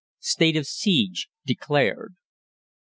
STATE OF SIEGE DECLARED.